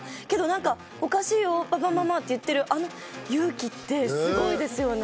何かおかしいよパパママって言ってるあの勇気ってすごいですよね